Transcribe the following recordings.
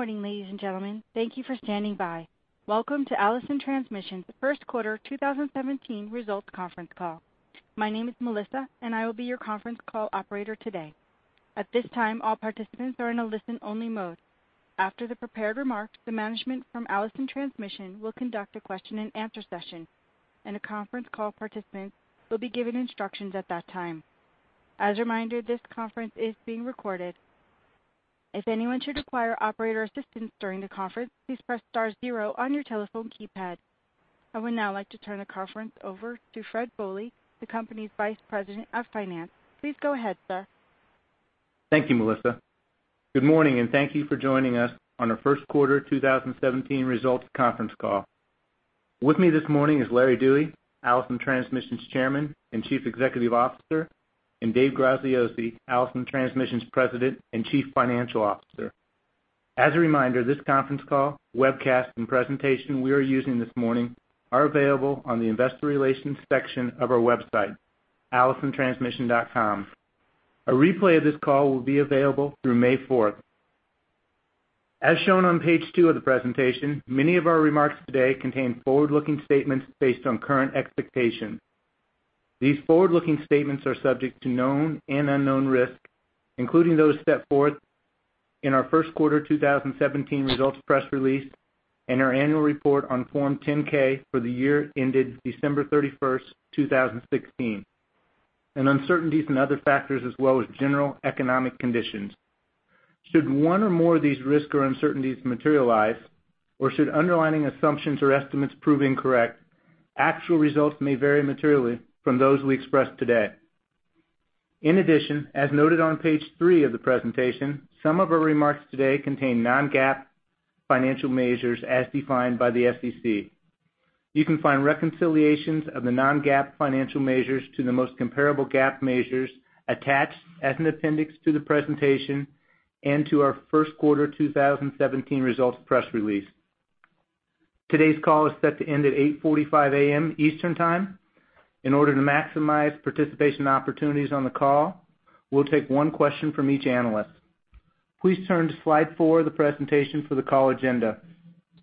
Good morning, ladies and gentlemen. Thank you for standing by. Welcome to Allison Transmission's first quarter 2017 results conference call. My name is Melissa, and I will be your conference call operator today. At this time, all participants are in a listen-only mode. After the prepared remarks, the management from Allison Transmission will conduct a question-and-answer session, and a conference call participant will be given instructions at that time. As a reminder, this conference is being recorded. If anyone should require operator assistance during the conference, please press star zero on your telephone keypad. I would now like to turn the conference over to Fred Bohley, the company's Vice President of Finance. Please go ahead, sir. Thank you, Melissa. Good morning, and thank you for joining us on our first quarter 2017 results conference call. With me this morning is Larry Dewey, Allison Transmission's Chairman and Chief Executive Officer, and Dave Graziosi, Allison Transmission's President and Chief Financial Officer. As a reminder, this conference call, webcast, and presentation we are using this morning are available on the investor relations section of our website, allisontransmission.com. A replay of this call will be available through May 4. As shown on page two of the presentation, many of our remarks today contain forward-looking statements based on current expectations. These forward-looking statements are subject to known and unknown risks, including those set forth in our first quarter 2017 results press release and our Annual Report on Form 10-K for the year ended December 31, 2016, and uncertainties and other factors, as well as general economic conditions. Should one or more of these risks or uncertainties materialize, or should underlying assumptions or estimates prove incorrect, actual results may vary materially from those we express today. In addition, as noted on page 3 of the presentation, some of our remarks today contain non-GAAP financial measures as defined by the SEC. You can find reconciliations of the non-GAAP financial measures to the most comparable GAAP measures attached as an appendix to the presentation and to our first quarter 2017 results press release. Today's call is set to end at 8:45 A.M. Eastern Time. In order to maximize participation opportunities on the call, we'll take one question from each analyst. Please turn to slide four of the presentation for the call agenda.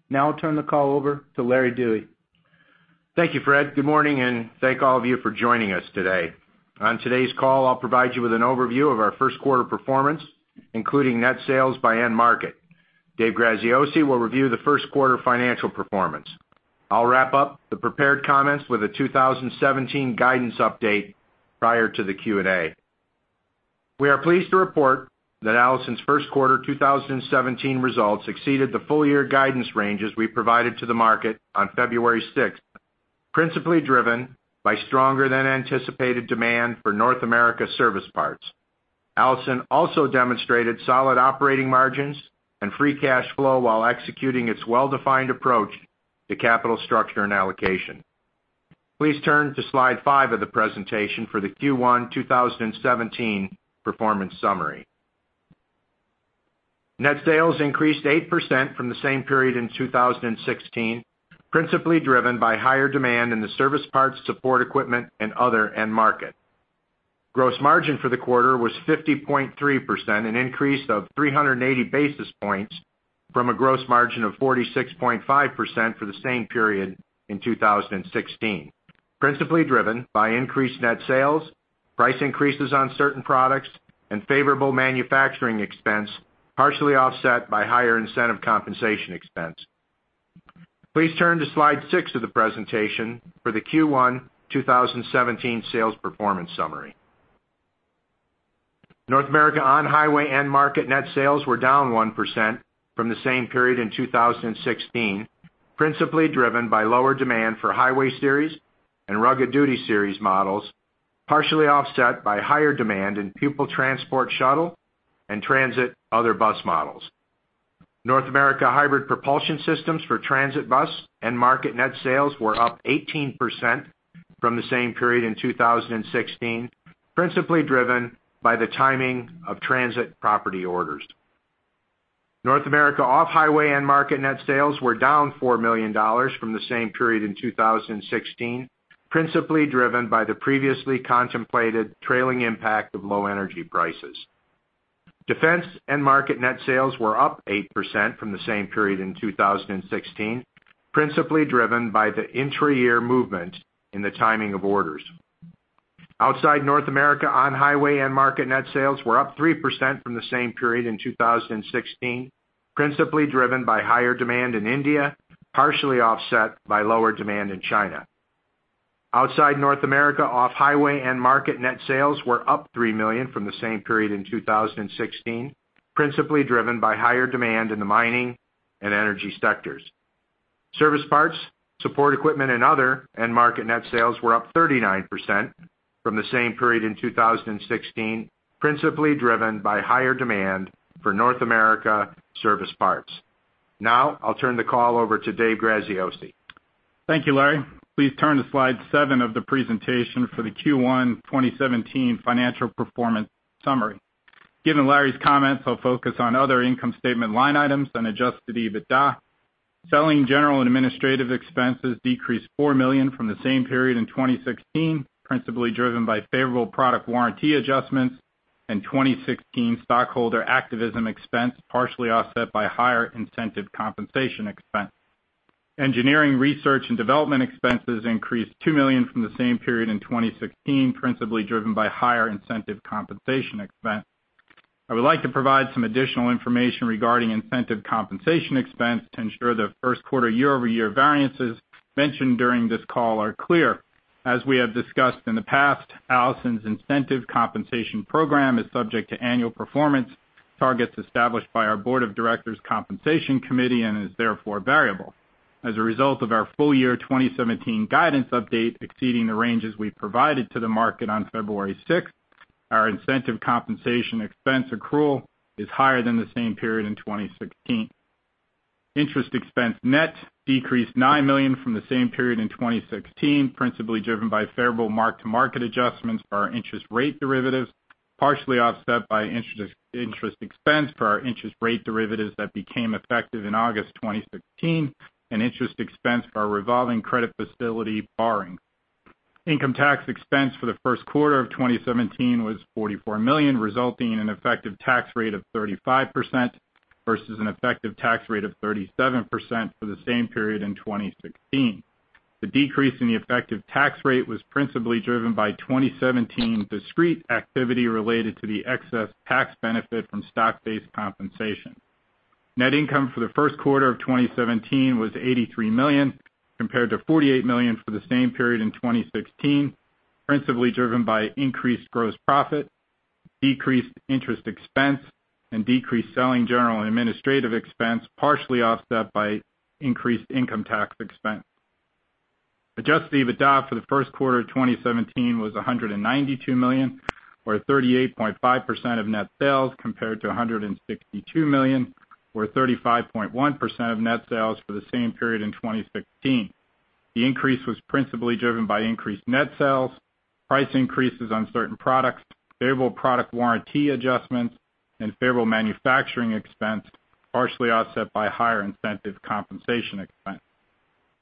Now I'll turn the call over to Larry Dewey. Thank you, Fred. Good morning, and thank all of you for joining us today. On today's call, I'll provide you with an overview of our first quarter performance, including net sales by end market. Dave Graziosi will review the first quarter financial performance. I'll wrap up the prepared comments with a 2017 guidance update prior to the Q&A. We are pleased to report that Allison's first quarter 2017 results exceeded the full year guidance ranges we provided to the market on February 6, principally driven by stronger than anticipated demand for North America service parts. Allison also demonstrated solid operating margins and free cash flow while executing its well-defined approach to capital structure and allocation. Please turn to slide 5 of the presentation for the Q1 2017 performance summary. Net sales increased 8% from the same period in 2016, principally driven by higher demand in the service parts, support equipment, and other end market. Gross margin for the quarter was 50.3%, an increase of 380 basis points from a gross margin of 46.5% for the same period in 2016, principally driven by increased net sales, price increases on certain products, and favorable manufacturing expense, partially offset by higher incentive compensation expense. Please turn to slide six of the presentation for the Q1 2017 sales performance summary. North America on-highway end market net sales were down 1% from the same period in 2016, principally driven by lower demand for Highway Series and Rugged Duty Series models, partially offset by higher demand in pupil transport, shuttle, and transit other bus models. North America hybrid propulsion systems for transit bus end market net sales were up 18% from the same period in 2016, principally driven by the timing of transit property orders. North America off-highway end market net sales were down $4 million from the same period in 2016, principally driven by the previously contemplated trailing impact of low energy prices. Defense end market net sales were up 8% from the same period in 2016, principally driven by the intra-year movement in the timing of orders. Outside North America, on-highway end market net sales were up 3% from the same period in 2016, principally driven by higher demand in India, partially offset by lower demand in China. Outside North America, off-highway end market net sales were up $3 million from the same period in 2016, principally driven by higher demand in the mining and energy sectors. Service parts, support equipment, and other end market net sales were up 39% from the same period in 2016, principally driven by higher demand for North America service parts. Now I'll turn the call over to Dave Graziosi. Thank you, Larry. Please turn to slide seven of the presentation for the Q1 2017 financial performance summary. Given Larry's comments, I'll focus on other income statement line items and adjusted EBITDA.... Selling, general, and administrative expenses decreased $4 million from the same period in 2016, principally driven by favorable product warranty adjustments and 2016 stockholder activism expense, partially offset by higher incentive compensation expense. Engineering research and development expenses increased $2 million from the same period in 2016, principally driven by higher incentive compensation expense. I would like to provide some additional information regarding incentive compensation expense to ensure the first quarter year-over-year variances mentioned during this call are clear. As we have discussed in the past, Allison's incentive compensation program is subject to annual performance targets established by our Board of Directors' Compensation Committee and is therefore variable. As a result of our full year 2017 guidance update exceeding the ranges we provided to the market on February 6, our incentive compensation expense accrual is higher than the same period in 2016. Interest expense net decreased $9 million from the same period in 2016, principally driven by favorable mark-to-market adjustments for our interest rate derivatives, partially offset by interest expense for our interest rate derivatives that became effective in August 2016, and interest expense for our revolving credit facility borrowing. Income tax expense for the first quarter of 2017 was $44 million, resulting in an effective tax rate of 35% versus an effective tax rate of 37% for the same period in 2016. The decrease in the effective tax rate was principally driven by 2017 discrete activity related to the excess tax benefit from stock-based compensation. Net income for the first quarter of 2017 was $83 million, compared to $48 million for the same period in 2016, principally driven by increased gross profit, decreased interest expense, and decreased selling general and administrative expense, partially offset by increased income tax expense. Adjusted EBITDA for the first quarter of 2017 was $192 million, or 38.5% of net sales, compared to $162 million, or 35.1% of net sales for the same period in 2016. The increase was principally driven by increased net sales, price increases on certain products, favorable product warranty adjustments, and favorable manufacturing expense, partially offset by higher incentive compensation expense.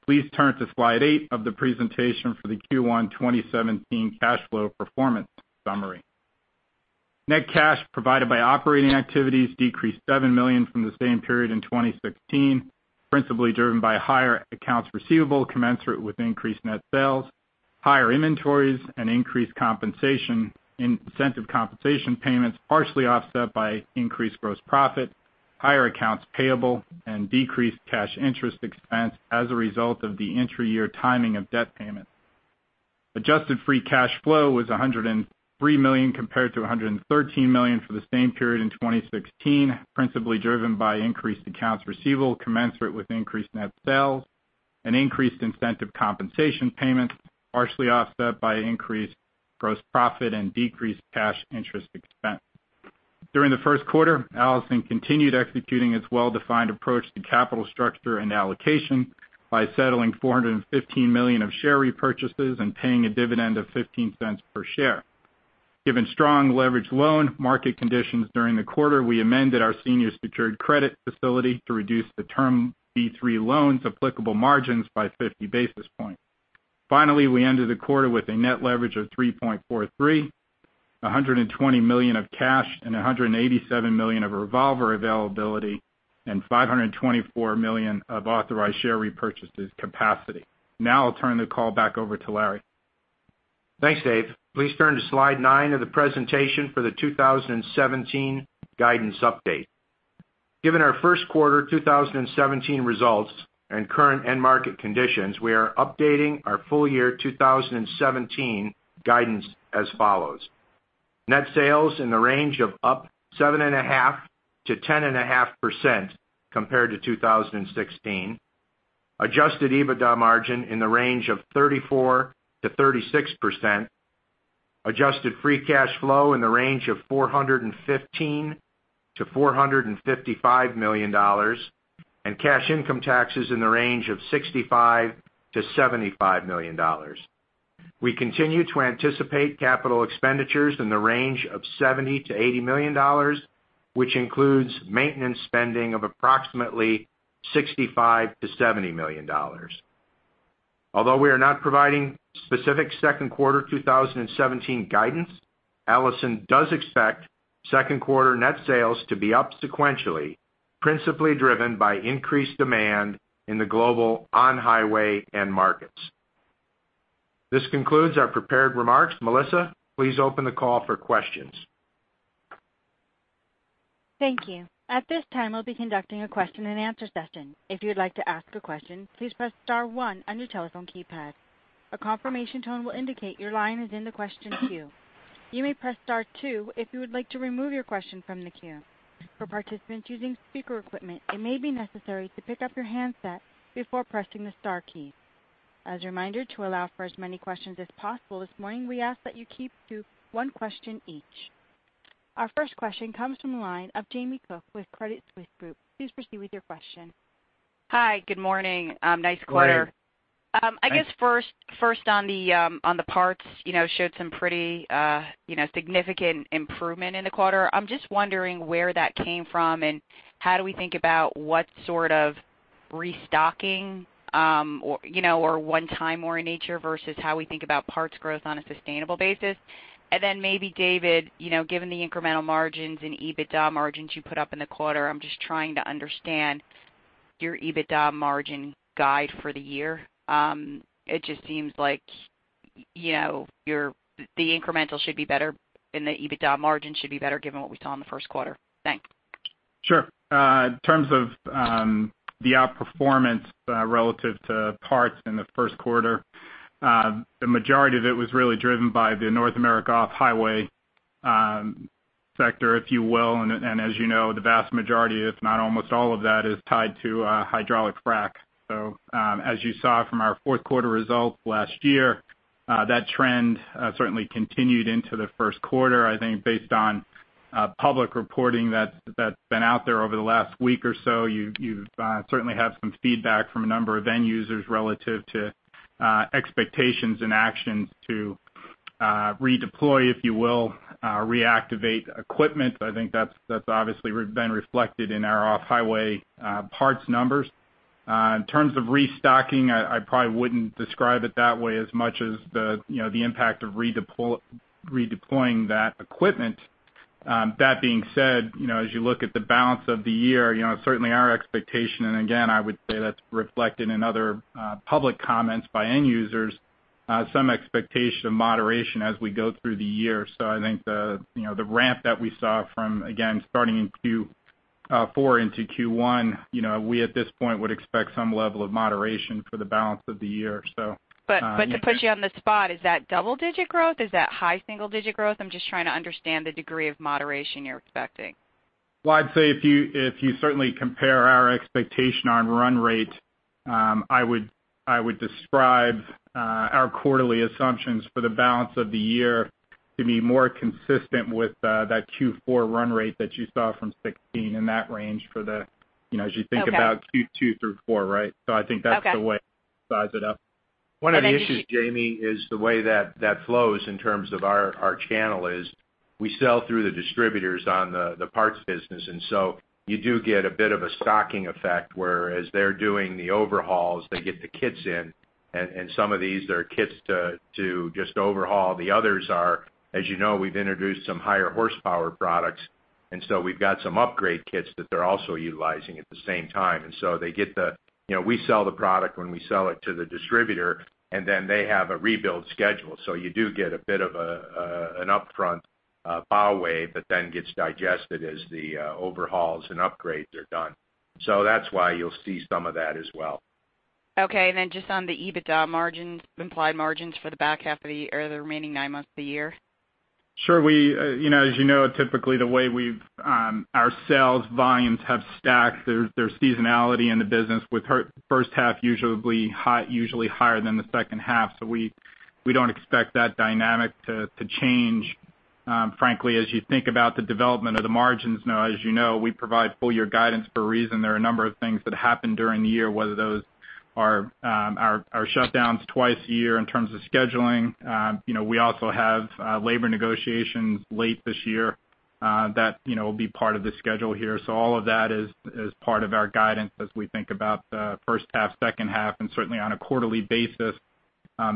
Please turn to slide eight of the presentation for the Q1 2017 cash flow performance summary. Net cash provided by operating activities decreased $7 million from the same period in 2016, principally driven by higher accounts receivable commensurate with increased net sales, higher inventories, and increased compensation, incentive compensation payments, partially offset by increased gross profit, higher accounts payable, and decreased cash interest expense as a result of the intra-year timing of debt payments. Adjusted free cash flow was $103 million compared to $113 million for the same period in 2016, principally driven by increased accounts receivable commensurate with increased net sales and increased incentive compensation payments, partially offset by increased gross profit and decreased cash interest expense. During the first quarter, Allison continued executing its well-defined approach to capital structure and allocation by settling $415 million of share repurchases and paying a dividend of $0.15 per share. Given strong leveraged loan market conditions during the quarter, we amended our senior secured credit facility to reduce the Term B-3 loans' applicable margins by 50 basis points. Finally, we ended the quarter with a net leverage of 3.43, $120 million of cash, and $187 million of revolver availability, and $524 million of authorized share repurchases capacity. Now I'll turn the call back over to Larry. Thanks, Dave. Please turn to slide 9 of the presentation for the 2017 guidance update. Given our first quarter 2017 results and current end market conditions, we are updating our full year 2017 guidance as follows: Net sales in the range of up 7.5%-10.5% compared to 2016. Adjusted EBITDA margin in the range of 34%-36%. Adjusted free cash flow in the range of $415 million-$455 million, and cash income taxes in the range of $65 million-$75 million. We continue to anticipate capital expenditures in the range of $70 million-$80 million, which includes maintenance spending of approximately $65 million-$70 million. Although we are not providing specific second quarter 2017 guidance, Allison does expect second quarter net sales to be up sequentially, principally driven by increased demand in the global on-highway end markets. This concludes our prepared remarks. Melissa, please open the call for questions. Thank you. At this time, we'll be conducting a question-and-answer session. If you'd like to ask a question, please press star one on your telephone keypad. A confirmation tone will indicate your line is in the question queue. You may press star two if you would like to remove your question from the queue. For participants using speaker equipment, it may be necessary to pick up your handset before pressing the star key. As a reminder, to allow for as many questions as possible this morning, we ask that you keep to one question each. Our first question comes from the line of Jamie Cook with Credit Suisse Group. Please proceed with your question. Hi, good morning. Nice quarter. ... I guess first on the parts, you know, showed some pretty, you know, significant improvement in the quarter. I'm just wondering where that came from, and how do we think about what sort of restocking, or, you know, or one-time more in nature versus how we think about parts growth on a sustainable basis? And then maybe, David, you know, given the incremental margins and EBITDA margins you put up in the quarter, I'm just trying to understand your EBITDA margin guide for the year. It just seems like, you know, the incremental should be better and the EBITDA margin should be better given what we saw in the first quarter. Thanks. Sure. In terms of the outperformance relative to parts in the first quarter, the majority of it was really driven by the North America off-highway sector, if you will. And as you know, the vast majority, if not almost all of that, is tied to hydraulic frack. So, as you saw from our fourth quarter results last year, that trend certainly continued into the first quarter. I think based on public reporting that's been out there over the last week or so, you've certainly have some feedback from a number of end users relative to expectations and actions to redeploy, if you will, reactivate equipment. I think that's obviously been reflected in our off-highway parts numbers. In terms of restocking, I probably wouldn't describe it that way as much as the, you know, the impact of redeploying that equipment. That being said, you know, as you look at the balance of the year, you know, certainly our expectation, and again, I would say that's reflected in other public comments by end users, some expectation of moderation as we go through the year. So I think the, you know, the ramp that we saw from, again, starting in Q4 into Q1, you know, we, at this point, would expect some level of moderation for the balance of the year, so, yeah. But, but to put you on the spot, is that double-digit growth? Is that high single digit growth? I'm just trying to understand the degree of moderation you're expecting. Well, I'd say if you certainly compare our expectation on run rate, I would describe our quarterly assumptions for the balance of the year to be more consistent with that Q4 run rate that you saw from 2016, in that range for the, you know- Okay. as you think about Q2 through four, right? So I think that's the way- Okay Size it up. One of the issues, Jamie, is the way that flows in terms of our channel is, we sell through the distributors on the parts business, and so you do get a bit of a stocking effect, whereas they're doing the overhauls, they get the kits in, and some of these are kits to just overhaul. The others are, as you know, we've introduced some higher horsepower products, and so we've got some upgrade kits that they're also utilizing at the same time. And so they get the... You know, we sell the product when we sell it to the distributor, and then they have a rebuild schedule. So you do get a bit of an upfront power wave, that then gets digested as the overhauls and upgrades are done. So that's why you'll see some of that as well. Okay. And then just on the EBITDA margins, implied margins for the back half of the year or the remaining nine months of the year? Sure. We, you know, as you know, typically the way we've our sales volumes have stacked, there's seasonality in the business, with first half usually higher than the second half. So we don't expect that dynamic to change. Frankly, as you think about the development of the margins, now, as you know, we provide full year guidance for a reason. There are a number of things that happen during the year, whether those are our shutdowns twice a year in terms of scheduling. You know, we also have labor negotiations late this year, that, you know, will be part of the schedule here. So all of that is part of our guidance as we think about the first half, second half, and certainly on a quarterly basis.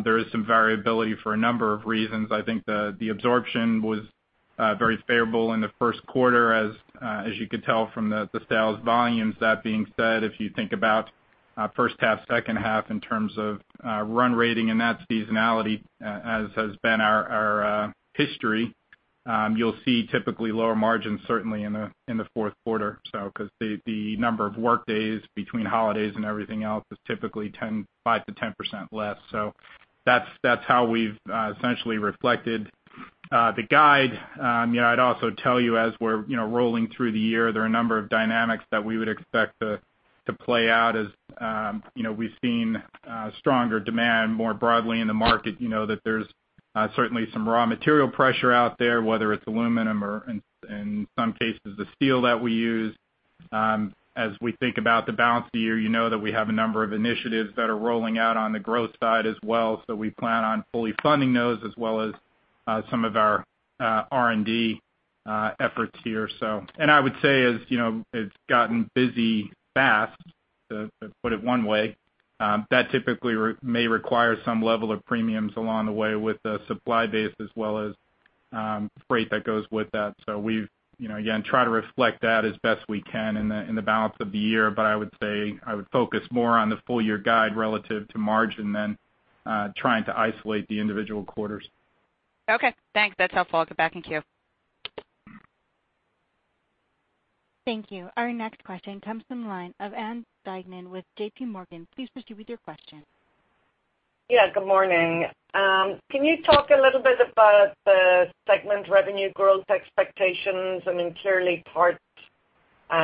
There is some variability for a number of reasons. I think the absorption was very favorable in the first quarter as you could tell from the sales volumes. That being said, if you think about first half, second half in terms of run rating, and that's seasonality, as has been our history, you'll see typically lower margins, certainly in the fourth quarter. So because the number of work days between holidays and everything else is typically 5%-10% less. So that's how we've essentially reflected the guide. You know, I'd also tell you, as we're, you know, rolling through the year, there are a number of dynamics that we would expect to play out as, you know, we've seen stronger demand more broadly in the market. You know, that there's certainly some raw material pressure out there, whether it's aluminum or in some cases, the steel that we use. As we think about the balance of the year, you know that we have a number of initiatives that are rolling out on the growth side as well. So we plan on fully funding those, as well as some of our R&D efforts here, so. I would say, as you know, it's gotten busy fast, to put it one way, that typically may require some level of premiums along the way with the supply base as well as, freight that goes with that. So we've, you know, again, try to reflect that as best we can in the, in the balance of the year. But I would say, I would focus more on the full year guide relative to margin than trying to isolate the individual quarters. Okay, thanks. That's helpful. I'll get back in queue. Thank you. Our next question comes from the line of Anne Duignan with J.P. Morgan. Please proceed with your question. Yeah, good morning. Can you talk a little bit about the segment revenue growth expectations? I mean, clearly parts,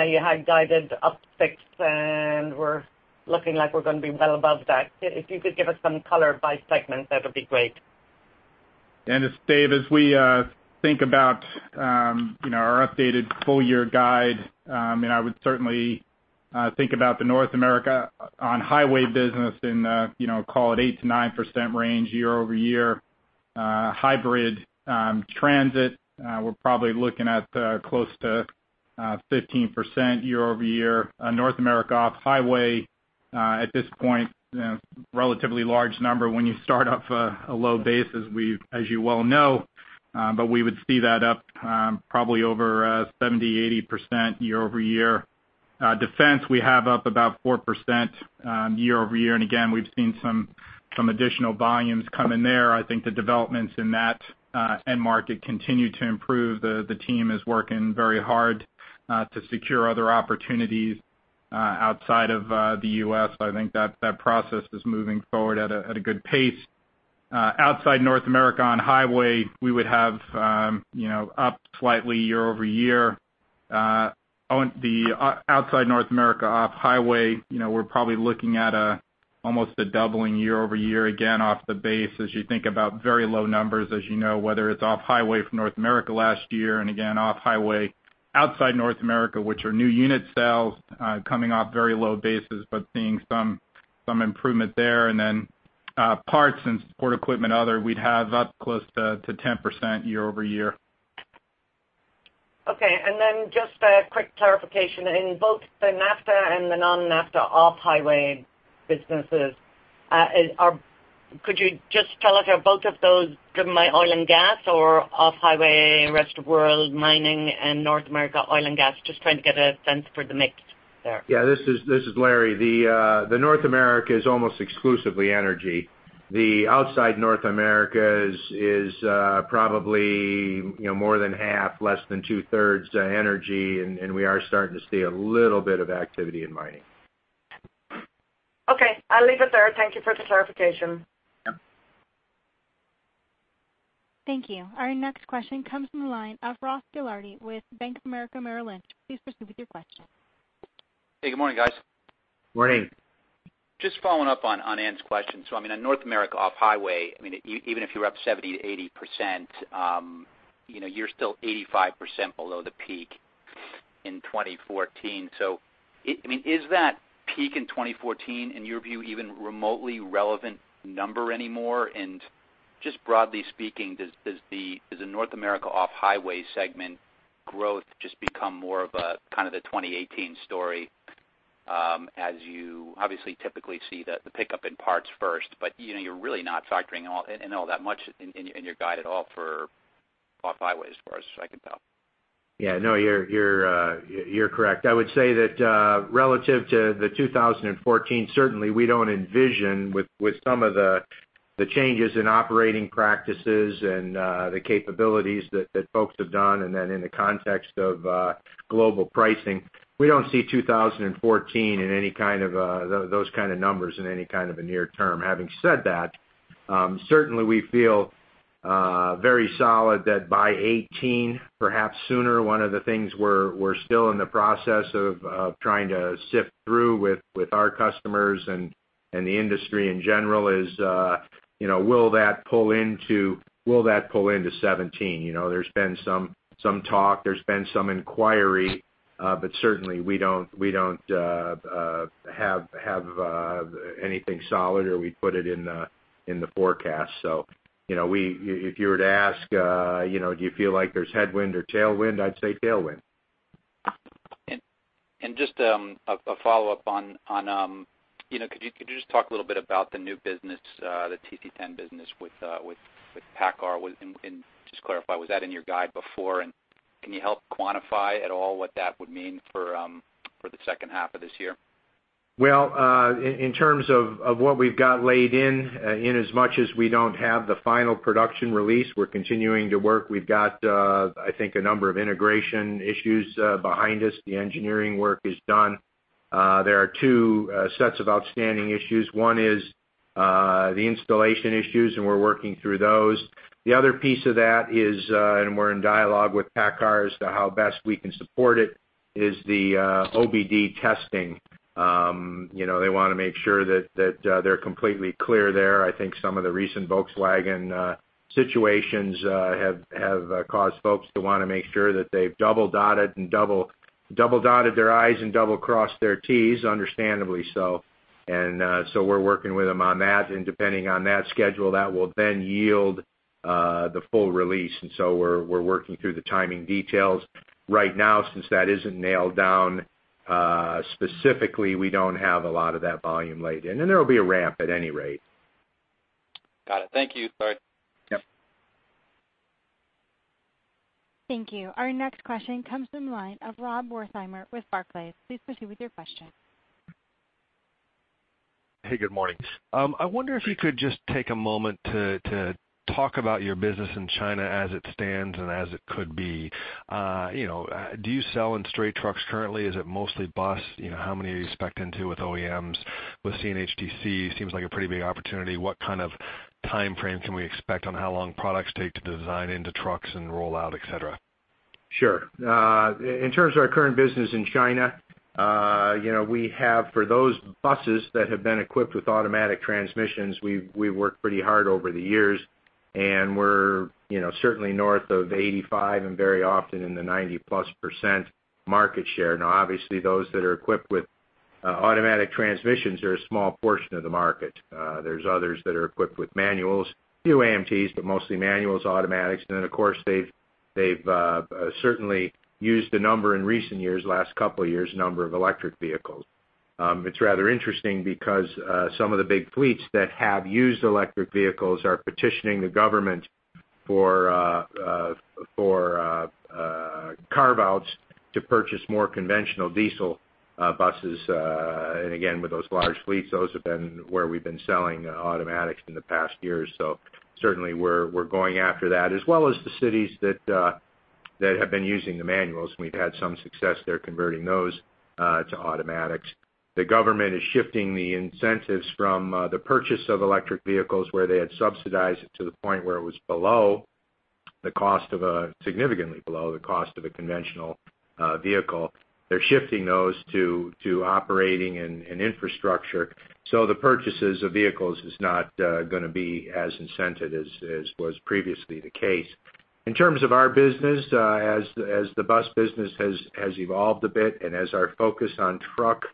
you had guided up six, and we're looking like we're going to be well above that. If you could give us some color by segment, that would be great.... As Dave, as we think about, you know, our updated full-year guide, and I would certainly think about the North America on-highway business in, you know, call it 8%-9% range year-over-year. Hybrid transit, we're probably looking at close to 15% year-over-year. On North America off-highway, at this point, you know, relatively large number when you start off a low base, as you well know, but we would see that up, probably over 70%-80% year-over-year. Defense, we have up about 4% year-over-year, and again, we've seen some additional volumes come in there. I think the developments in that end market continue to improve. The team is working very hard to secure other opportunities outside of the US. I think that process is moving forward at a good pace. Outside North America on highway, we would have, you know, up slightly year-over-year. On the outside North America off highway, you know, we're probably looking at almost a doubling year-over-year, again, off the base as you think about very low numbers, as you know, whether it's off highway from North America last year and again, off highway outside North America, which are new unit sales, coming off very low bases, but seeing some improvement there. And then, parts and support equipment, other, we'd have up close to 10% year-over-year. Okay. And then just a quick clarification. In both the NAFTA and the non-NAFTA off-highway businesses, could you just tell us, are both of those driven by oil and gas, or off-highway, rest of world mining and North America oil and gas? Just trying to get a sense for the mix there. Yeah, this is Larry. The North America is almost exclusively energy. Outside North America is probably, you know, more than half, less than two-thirds energy, and we are starting to see a little bit of activity in mining. Okay, I'll leave it there. Thank you for the clarification. Yep. Thank you. Our next question comes from the line of Ross Gilardi with Bank of America, Merrill Lynch. Please proceed with your question. Hey, good morning, guys. Morning. Just following up on Anne's question. So I mean, on North America off highway, I mean, even if you were up 70%-80%, you know, you're still 85% below the peak in 2014. So I mean, is that peak in 2014, in your view, even remotely relevant number anymore? And just broadly speaking, does the North America off highway segment growth just become more of a kind of the 2018 story, as you obviously typically see the pickup in parts first, but, you know, you're really not factoring all in all that much in your guide at all for off highway, as far as I can tell. Yeah. No, you're correct. I would say that relative to the 2014, certainly we don't envision with some of the changes in operating practices and the capabilities that folks have done, and then in the context of global pricing, we don't see 2014 in any kind of those kind of numbers in any kind of a near term. Having said that, certainly we feel very solid that by 2018, perhaps sooner, one of the things we're still in the process of trying to sift through with our customers and the industry in general is, you know, will that pull into, will that pull into 2017? You know, there's been some talk, there's been some inquiry, but certainly we don't have anything solid or we'd put it in the forecast. So, you know, we, if you were to ask, you know, do you feel like there's headwind or tailwind? I'd say tailwind. Just a follow-up on you know, could you just talk a little bit about the new business, the TC-10 business with Paccar? And just clarify, was that in your guide before, and can you help quantify at all what that would mean for the second half of this year? Well, in terms of what we've got laid in, in as much as we don't have the final production release, we're continuing to work. We've got, I think a number of integration issues behind us. The engineering work is done. There are two sets of outstanding issues. One is the installation issues, and we're working through those. The other piece of that is, and we're in dialogue with Paccar as to how best we can support it, is the OBD testing. You know, they wanna make sure that that they're completely clear there. I think some of the recent Volkswagen situations have caused folks to wanna make sure that they've double dotted and double-dotted their I's and double crossed their T's, understandably so. So we're working with them on that, and depending on that schedule, that will then yield the full release. So we're working through the timing details. Right now, since that isn't nailed down specifically, we don't have a lot of that volume laid in, and there will be a ramp at any rate. Got it. Thank you. Bye. Yep. Thank you. Our next question comes from the line of Rob Wertheimer with Barclays. Please proceed with your question. Hey, good morning. I wonder if you could just take a moment to talk about your business in China as it stands and as it could be. You know, do you sell in straight trucks currently? Is it mostly bus? You know, how many are you spec'd into with OEMs, with CNHTC? Seems like a pretty big opportunity. What kind of timeframe can we expect on how long products take to design into trucks and roll out, et cetera?... Sure. In terms of our current business in China, you know, we have, for those buses that have been equipped with automatic transmissions, we've worked pretty hard over the years, and we're, you know, certainly north of 85 and very often in the 90%+ market share. Now obviously, those that are equipped with automatic transmissions are a small portion of the market. There's others that are equipped with manuals, a few AMTs, but mostly manuals, automatics. And then, of course, they've certainly used a number in recent years, last couple of years, a number of electric vehicles. It's rather interesting because some of the big fleets that have used electric vehicles are petitioning the government for carve-outs to purchase more conventional diesel buses. And again, with those large fleets, those have been where we've been selling automatics in the past years. So certainly we're going after that, as well as the cities that have been using the manuals, and we've had some success there converting those to automatics. The government is shifting the incentives from the purchase of electric vehicles, where they had subsidized it to the point where it was below the cost of a, significantly below the cost of a conventional vehicle. They're shifting those to operating and infrastructure, so the purchases of vehicles is not gonna be as incented as was previously the case. In terms of our business, as the bus business has evolved a bit, and as our focus on truck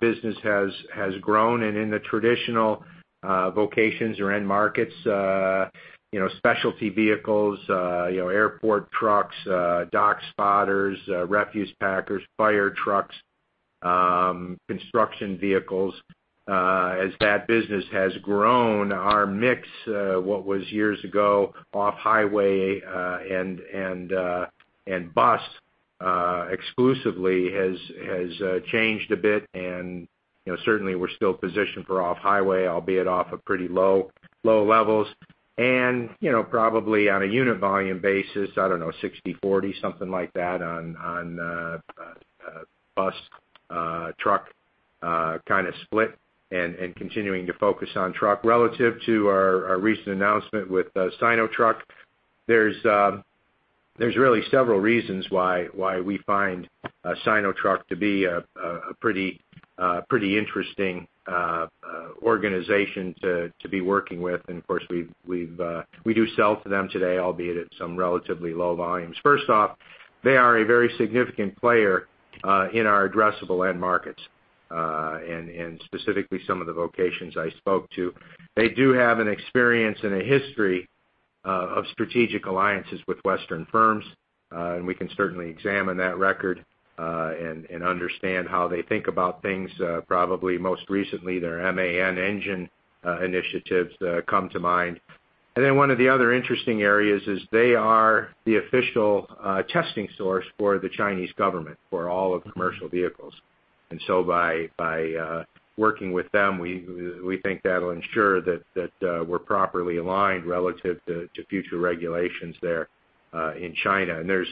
business has grown, and in the traditional vocations or end markets, you know, specialty vehicles, you know, airport trucks, dock spotters, refuse packers, fire trucks, construction vehicles, as that business has grown, our mix, what was years ago off-highway and bus exclusively has changed a bit. And, you know, certainly we're still positioned for off-highway, albeit off of pretty low levels. And, you know, probably on a unit volume basis, I don't know, 60/40, something like that on bus truck kind of split and continuing to focus on truck. Relative to our recent announcement with Sinotruk, there's really several reasons why we find Sinotruk to be a pretty interesting organization to be working with. And of course, we do sell to them today, albeit at some relatively low volumes. First off, they are a very significant player in our addressable end markets and specifically some of the vocations I spoke to. They do have an experience and a history of strategic alliances with Western firms, and we can certainly examine that record and understand how they think about things, probably most recently, their MAN Engine initiatives come to mind. Then one of the other interesting areas is they are the official testing source for the Chinese government for all of commercial vehicles. And so by working with them, we think that'll ensure that we're properly aligned relative to future regulations there in China. And there's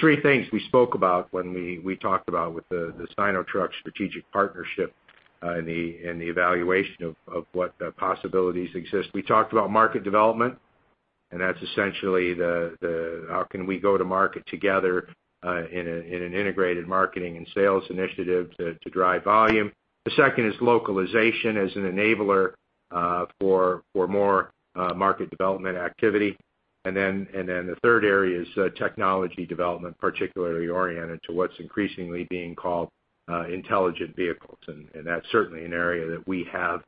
three things we spoke about when we talked about with the Sinotruk strategic partnership and the evaluation of what possibilities exist. We talked about market development, and that's essentially the how can we go to market together in an integrated marketing and sales initiative to drive volume. The second is localization as an enabler for more market development activity. And then the third area is technology development, particularly oriented to what's increasingly being called intelligent vehicles. And that's certainly an area that we have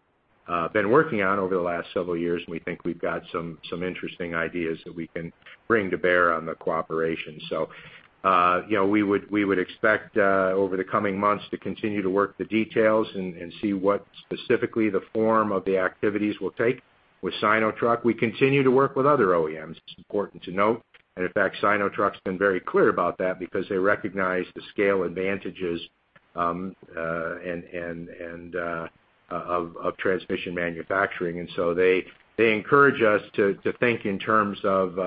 been working on over the last several years, and we think we've got some interesting ideas that we can bring to bear on the cooperation. So, you know, we would expect over the coming months to continue to work the details and see what specifically the form of the activities will take with Sinotruk. We continue to work with other OEMs, it's important to note. And in fact, Sinotruk's been very clear about that because they recognize the scale advantages of transmission manufacturing. And so they encourage us to think in terms of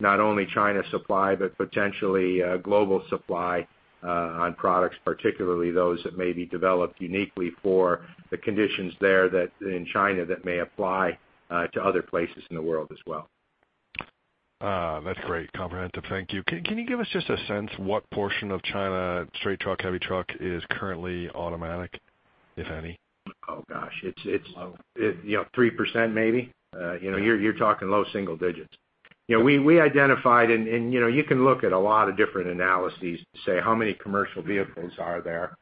not only China supply, but potentially global supply on products, particularly those that may be developed uniquely for the conditions there, that, in China, that may apply to other places in the world as well. That's great, comprehensive. Thank you. Can you give us just a sense what portion of China straight truck, heavy truck is currently automatic, if any? Oh, gosh, it's- Low. You know, 3% maybe. You know, you're talking low single digits. You know, we identified and, you know, you can look at a lot of different analyses to say how many commercial vehicles are there.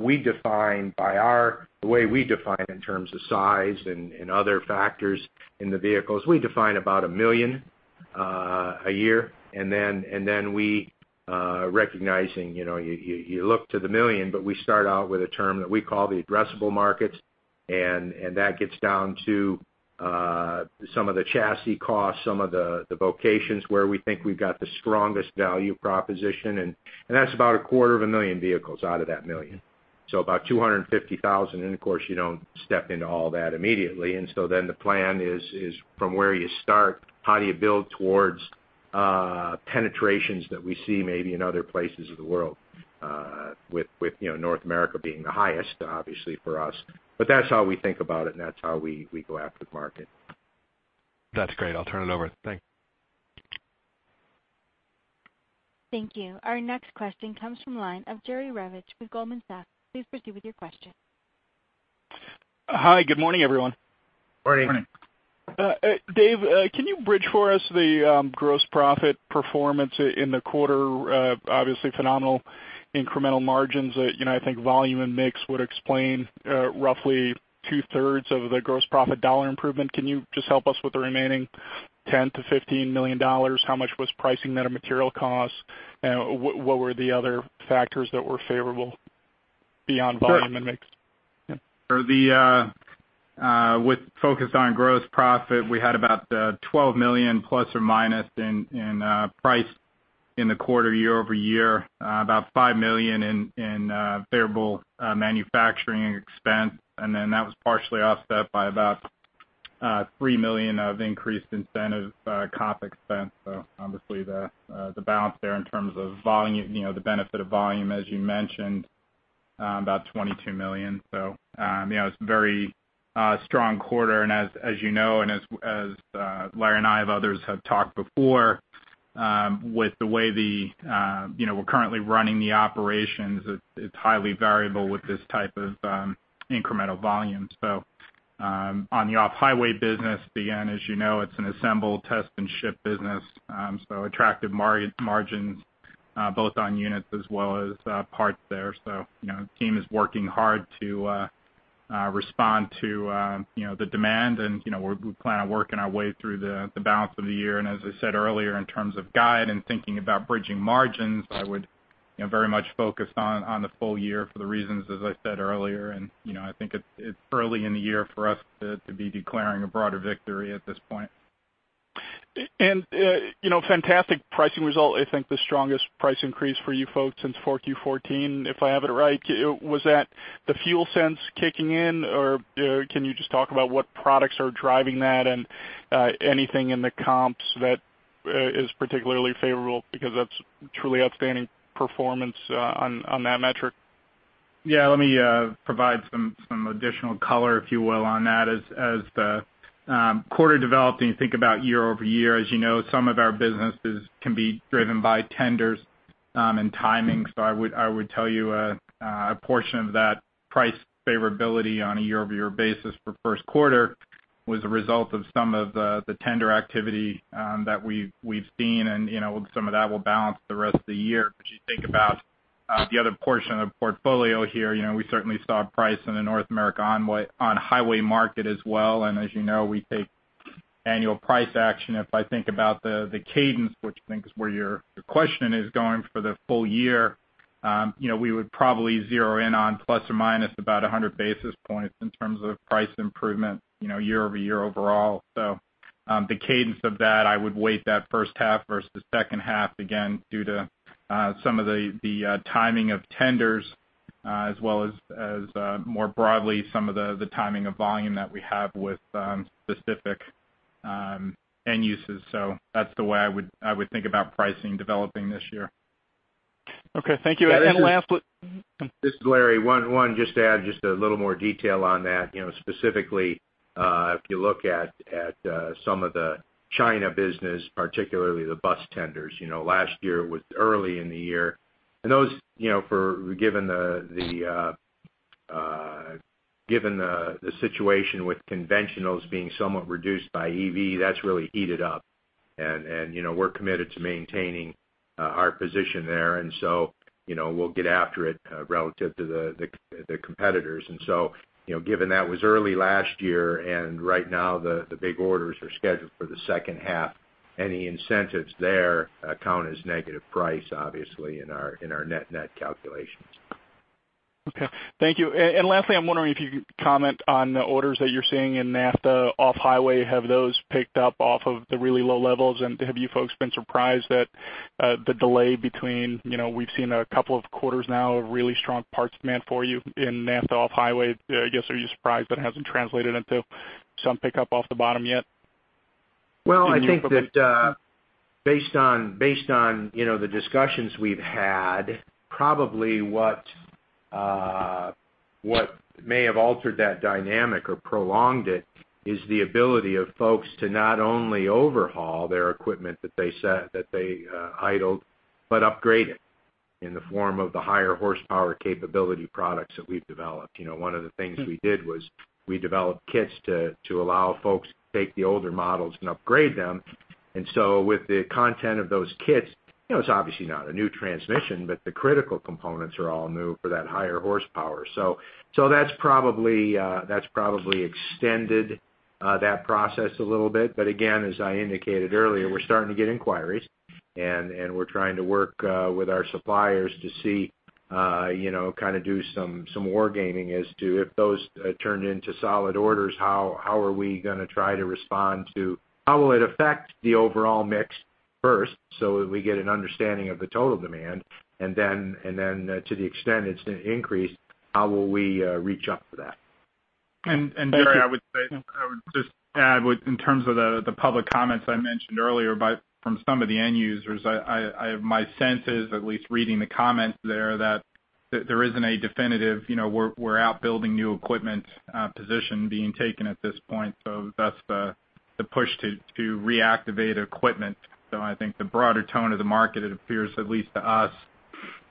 We define by our, the way we define in terms of size and other factors in the vehicles, we define about 1 million a year. And then we, recognizing, you know, you look to the 1 million, but we start out with a term that we call the addressable market, and that gets down to some of the chassis costs, some of the vocations where we think we've got the strongest value proposition, and that's about a quarter of 1 million vehicles out of that 1 million. So about 250,000, and of course, you don't step into all that immediately. And so then the plan is from where you start, how do you build towards penetrations that we see maybe in other places of the world, with you know, North America being the highest, obviously, for us. But that's how we think about it, and that's how we go after the market.... That's great. I'll turn it over. Thanks. Thank you. Our next question comes from the line of Jerry Revich with Goldman Sachs. Please proceed with your question. Hi, good morning, everyone. Morning. Morning. Dave, can you bridge for us the gross profit performance in the quarter? Obviously phenomenal incremental margins. You know, I think volume and mix would explain roughly two-thirds of the gross profit dollar improvement. Can you just help us with the remaining $10 million-$15 million? How much was pricing that, or material costs, and what were the other factors that were favorable beyond volume and mix? Sure. The, with focus on gross profit, we had about ±$12 million in price in the quarter, year-over-year. About $5 million in favorable manufacturing expense, and then that was partially offset by about $3 million of increased incentive comp expense. So obviously, the balance there in terms of volume, you know, the benefit of volume, as you mentioned, about $22 million. So, you know, it's very strong quarter. And as you know, and as Larry and I, of others, have talked before, with the way the, you know, we're currently running the operations, it's highly variable with this type of incremental volume. So, on the off-highway business, again, as you know, it's an assemble, test, and ship business, so attractive margins, both on units as well as, parts there. So, you know, the team is working hard to respond to, you know, the demand and, you know, we plan on working our way through the balance of the year. And as I said earlier, in terms of guide and thinking about bridging margins, I would, you know, very much focus on the full year for the reasons as I said earlier. And, you know, I think it's early in the year for us to be declaring a broader victory at this point. You know, fantastic pricing result, I think the strongest price increase for you folks since 4Q 2014, if I have it right. Was that the FuelSense kicking in, or can you just talk about what products are driving that, and anything in the comps that is particularly favorable? Because that's truly outstanding performance on that metric. Yeah, let me provide some additional color, if you will, on that. As the quarter developed, and you think about year-over-year, as you know, some of our businesses can be driven by tenders and timing. So I would tell you a portion of that price favorability on a year-over-year basis for first quarter was a result of some of the tender activity that we've seen, and, you know, some of that will balance the rest of the year. But you think about the other portion of the portfolio here, you know, we certainly saw price in the North America on-highway market as well, and as you know, we take annual price action. If I think about the cadence, which I think is where your question is going, for the full year, you know, we would probably zero in on ±100 basis points in terms of price improvement, you know, year-over-year overall. So, the cadence of that, I would weight that first half versus the second half, again, due to some of the timing of tenders, as well as more broadly, some of the timing of volume that we have with specific end uses. So that's the way I would think about pricing developing this year. Okay, thank you. And lastly- This is Larry. 11, just to add just a little more detail on that. You know, specifically, if you look at some of the China business, particularly the bus tenders, you know, last year was early in the year. And those, you know, given the situation with conventionals being somewhat reduced by EV, that's really heated up. And, you know, we're committed to maintaining our position there, and so, you know, we'll get after it relative to the competitors. And so, you know, given that was early last year, and right now, the big orders are scheduled for the second half, any incentives there count as negative price, obviously, in our net-net calculations. Okay. Thank you. And lastly, I'm wondering if you could comment on the orders that you're seeing in NAFTA off-highway. Have those picked up off of the really low levels, and have you folks been surprised that the delay between... You know, we've seen a couple of quarters now of really strong parts demand for you in NAFTA off-highway. I guess, are you surprised that it hasn't translated into some pickup off the bottom yet? Well, I think that based on you know the discussions we've had, probably what may have altered that dynamic or prolonged it is the ability of folks to not only overhaul their equipment that they idled but upgrade it in the form of the higher horsepower capability products that we've developed. You know, one of the things we did was we developed kits to allow folks to take the older models and upgrade them. And so with the content of those kits, you know, it's obviously not a new transmission, but the critical components are all new for that higher horsepower. So that's probably extended that process a little bit. But again, as I indicated earlier, we're starting to get inquiries, and we're trying to work with our suppliers to see, you know, kind of do some war gaming as to if those turned into solid orders, how are we gonna try to respond to, how will it affect the overall mix first, so that we get an understanding of the total demand, and then, to the extent it's an increase, how will we reach up for that? And Jerry- Thank you. I would say, I would just add with, in terms of the public comments I mentioned earlier about, from some of the end users, my sense is, at least reading the comments there, that-... there isn't a definitive, you know, we're out building new equipment position being taken at this point. So that's the push to reactivate equipment. So I think the broader tone of the market, it appears, at least to us,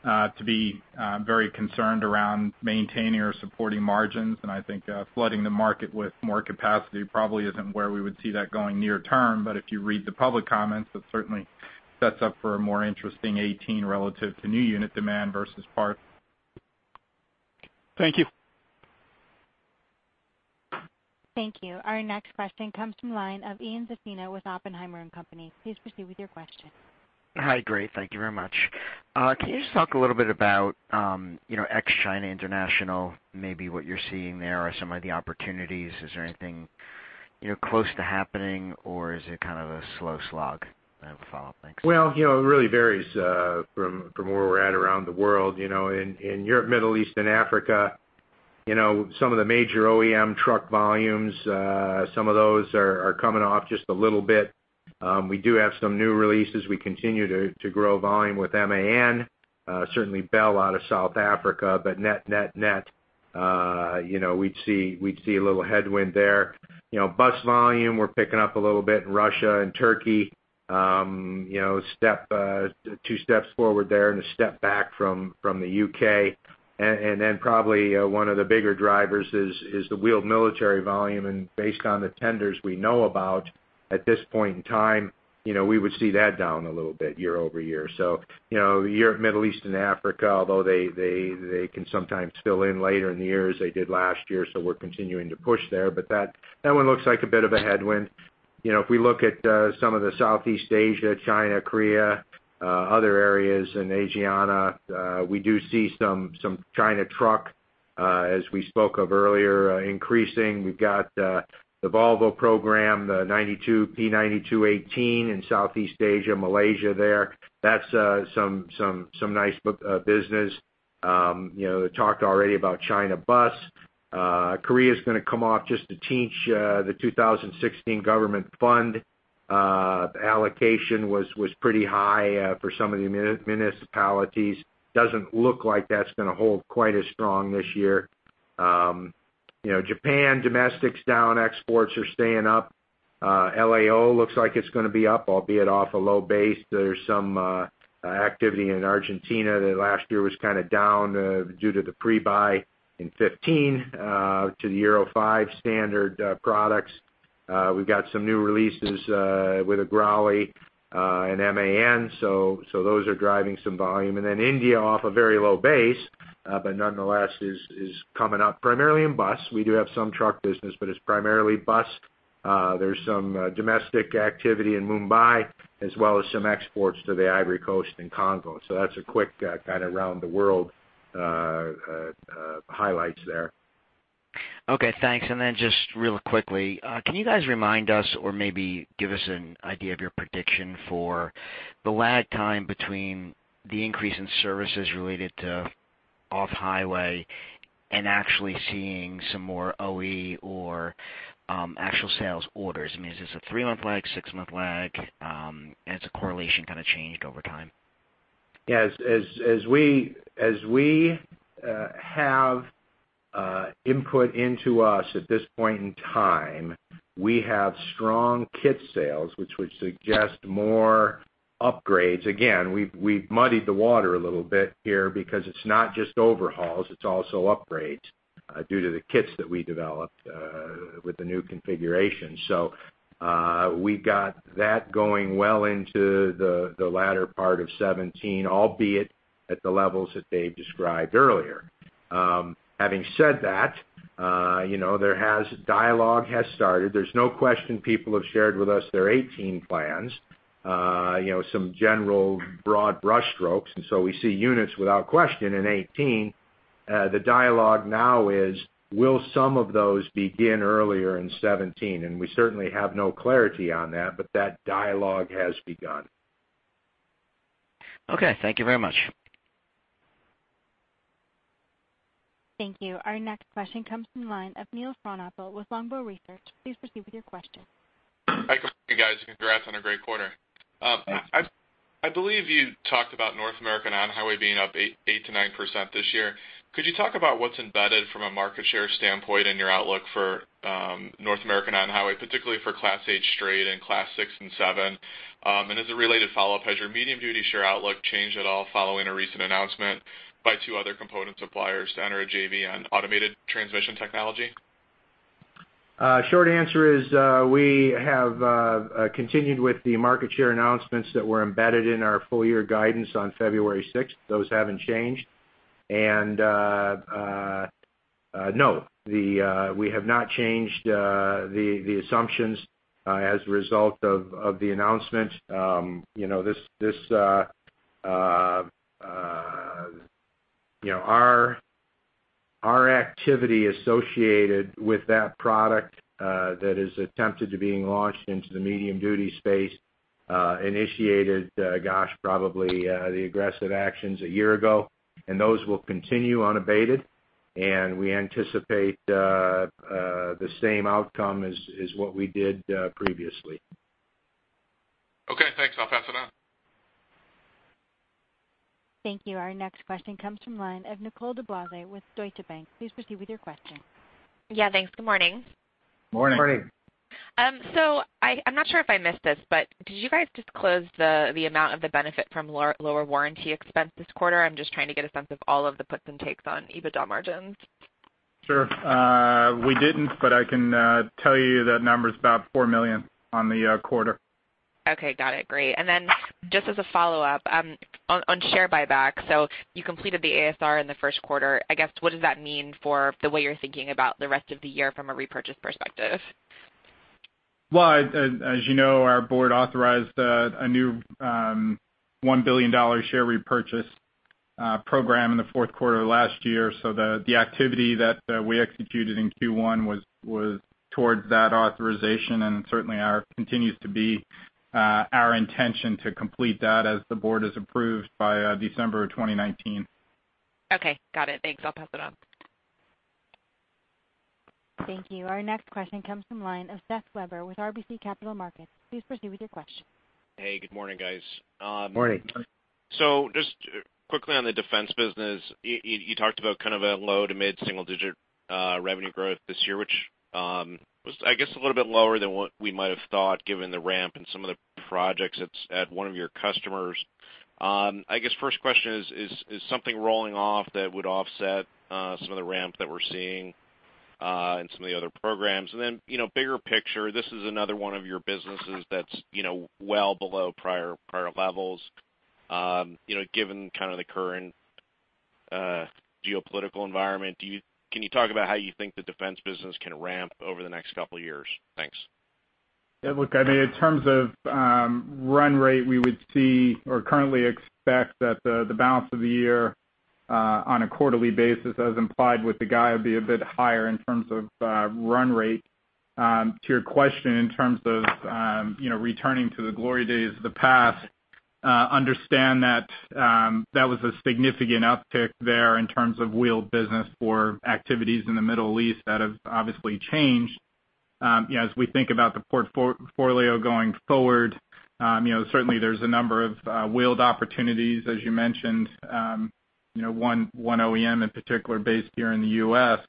to be very concerned around maintaining or supporting margins. And I think flooding the market with more capacity probably isn't where we would see that going near term. But if you read the public comments, that certainly sets up for a more interesting 2018 relative to new unit demand versus part. Thank you. Thank you. Our next question comes from the line of Ian Zaffino with Oppenheimer and Company. Please proceed with your question. Hi, great. Thank you very much. Can you just talk a little bit about, you know, ex-China International, maybe what you're seeing there or some of the opportunities? Is there anything, you know, close to happening, or is it kind of a slow slog? I have a follow-up. Thanks. Well, you know, it really varies from where we're at around the world. You know, in Europe, Middle East and Africa, you know, some of the major OEM truck volumes, some of those are coming off just a little bit. We do have some new releases. We continue to grow volume with MAN, certainly Bell out of South Africa. But net, net, net, you know, we'd see, we'd see a little headwind there. You know, bus volume, we're picking up a little bit in Russia and Turkey. You know, two steps forward there and a step back from the U.K. And then probably one of the bigger drivers is the wheeled military volume, and based on the tenders we know about at this point in time, you know, we would see that down a little bit year-over-year. So, you know, Europe, Middle East and Africa, although they can sometimes fill in later in the years, they did last year, so we're continuing to push there. But that one looks like a bit of a headwind. You know, if we look at some of the Southeast Asia, China, Korea, other areas in Asia, we do see some China truck, as we spoke of earlier, increasing. We've got the Volvo program, the 92, P-92 18 in Southeast Asia, Malaysia there. That's some nice business. You know, talked already about China bus. Korea's gonna come off just a tenth. The 2016 government fund allocation was pretty high for some of the municipalities. Doesn't look like that's gonna hold quite as strong this year. You know, Japan, domestic's down, exports are staying up. LAO looks like it's gonna be up, albeit off a low base. There's some activity in Argentina that last year was kind of down due to the pre-buy in 2015 to the Euro five standard products. We've got some new releases with Agrale and MAN, so those are driving some volume. And then India, off a very low base, but nonetheless is coming up primarily in bus. We do have some truck business, but it's primarily bus. There's some domestic activity in Mumbai, as well as some exports to the Ivory Coast and Congo. So that's a quick kind of around the world highlights there. Okay, thanks. And then just real quickly, can you guys remind us or maybe give us an idea of your prediction for the lag time between the increase in services related to off-highway and actually seeing some more OE or actual sales orders? I mean, is this a three-month lag, six-month lag? Has the correlation kind of changed over time? Yes, as we have input into us at this point in time, we have strong kit sales, which would suggest more upgrades. Again, we've muddied the water a little bit here because it's not just overhauls, it's also upgrades due to the kits that we developed with the new configuration. So, we got that going well into the latter part of 2017, albeit at the levels that Dave described earlier. Having said that, you know, there has dialogue has started. There's no question people have shared with us their 2018 plans, you know, some general broad brushstrokes, and so we see units without question in 2018. The dialogue now is, will some of those begin earlier in 2017? And we certainly have no clarity on that, but that dialogue has begun. Okay, thank you very much. Thank you. Our next question comes from the line of Neil Frohnapple with Longbow Research. Please proceed with your question. Hi, good morning, guys. Congrats on a great quarter. I believe you talked about North American on-highway being up 8%-9% this year. Could you talk about what's embedded from a market share standpoint in your outlook for North American on-highway, particularly for Class eight straight and Class six and seven? And as a related follow-up, has your medium-duty share outlook changed at all following a recent announcement by two other component suppliers to enter a JV on automated transmission technology? Short answer is, we have continued with the market share announcements that were embedded in our full year guidance on February sixth. Those haven't changed. And no, we have not changed the assumptions as a result of the announcement. You know, this you know, our activity associated with that product that is attempted to being launched into the medium-duty space initiated, gosh, probably, the aggressive actions a year ago, and those will continue unabated, and we anticipate the same outcome as what we did previously.... Pass it on. Thank you. Our next question comes from line of Nicole DeBlase with Deutsche Bank. Please proceed with your question. Yeah, thanks. Good morning. Morning. So, I'm not sure if I missed this, but did you guys disclose the amount of the benefit from lower warranty expense this quarter? I'm just trying to get a sense of all of the puts and takes on EBITDA margins. Sure. We didn't, but I can tell you that number's about $4 million on the quarter. Okay, got it. Great. And then just as a follow-up, on share buyback. So you completed the ASR in the first quarter. I guess, what does that mean for the way you're thinking about the rest of the year from a repurchase perspective? Well, as you know, our board authorized a new $1 billion share repurchase program in the fourth quarter of last year. So the activity that we executed in Q1 was towards that authorization, and it certainly continues to be our intention to complete that as the board is approved by December of 2019. Okay, got it. Thanks. I'll pass it on. Thank you. Our next question comes from the line of Seth Weber with RBC Capital Markets. Please proceed with your question. Hey, good morning, guys. Morning. So just quickly on the defense business. You talked about kind of a low- to mid-single-digit revenue growth this year, which was I guess a little bit lower than what we might have thought, given the ramp in some of the projects at one of your customers. I guess first question is, is something rolling off that would offset some of the ramp that we're seeing and some of the other programs? And then, you know, bigger picture, this is another one of your businesses that's, you know, well below prior levels. You know, given kind of the current geopolitical environment, can you talk about how you think the defense business can ramp over the next couple of years? Thanks. Yeah, look, I mean, in terms of run rate, we would see or currently expect that the balance of the year on a quarterly basis, as implied with the guide, would be a bit higher in terms of run rate. To your question in terms of you know, returning to the glory days of the past, understand that that was a significant uptick there in terms of wheeled business for activities in the Middle East that have obviously changed. You know, as we think about the portfolio going forward, you know, certainly there's a number of wheeled opportunities, as you mentioned. You know, one OEM in particular, based here in the U.S.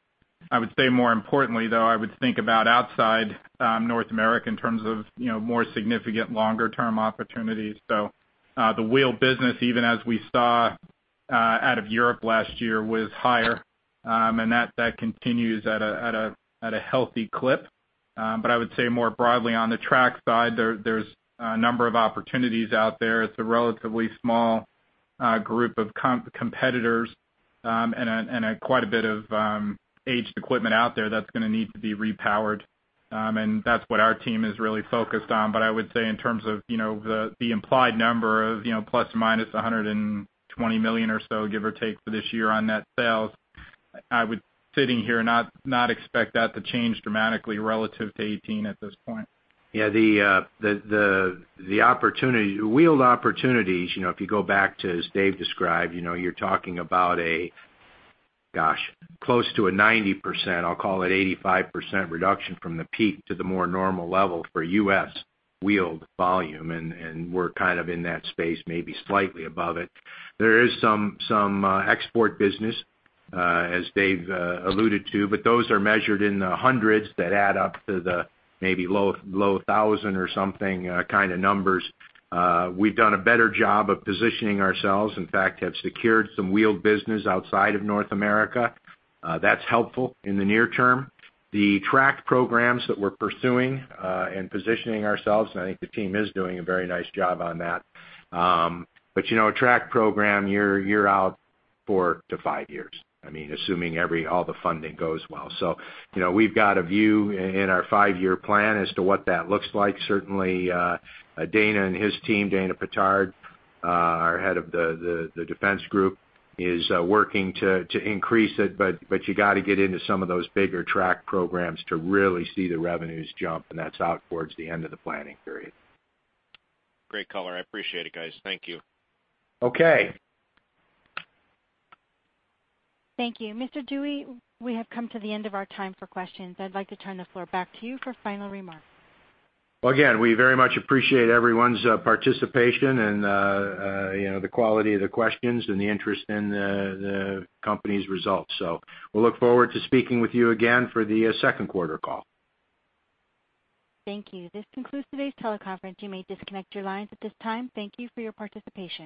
I would say more importantly, though, I would think about outside North America in terms of you know, more significant, longer term opportunities. So, the wheel business, even as we saw, out of Europe last year, was higher, and that continues at a healthy clip. But I would say more broadly, on the track side, there's a number of opportunities out there. It's a relatively small group of competitors, and quite a bit of aged equipment out there that's gonna need to be repowered. And that's what our team is really focused on. But I would say in terms of, you know, the implied number of, you know, ±$120 million or so, give or take, for this year on net sales, I would, sitting here, not expect that to change dramatically relative to 2018 at this point. Yeah, the opportunity, wheeled opportunities, you know, if you go back to, as Dave described, you know, you're talking about a, gosh, close to a 90%, I'll call it 85% reduction from the peak to the more normal level for US wheeled volume, and we're kind of in that space, maybe slightly above it. There is some export business, as Dave alluded to, but those are measured in the hundreds that add up to the maybe low, low thousand or something, kind of numbers. We've done a better job of positioning ourselves, in fact, have secured some wheeled business outside of North America. That's helpful in the near term. The track programs that we're pursuing, and positioning ourselves, and I think the team is doing a very nice job on that. But you know, a track program, you're out 4-5 years, I mean, assuming all the funding goes well. So, you know, we've got a view in our five-year plan as to what that looks like. Certainly, Dana and his team, Dana Pittard, our head of the defense group, is working to increase it, but you got to get into some of those bigger track programs to really see the revenues jump, and that's out towards the end of the planning period. Great color. I appreciate it, guys. Thank you. Okay. Thank you. Mr. Dewey, we have come to the end of our time for questions. I'd like to turn the floor back to you for final remarks. Well, again, we very much appreciate everyone's participation and, you know, the quality of the questions and the interest in the company's results. So we'll look forward to speaking with you again for the second quarter call. Thank you. This concludes today's teleconference. You may disconnect your lines at this time. Thank you for your participation.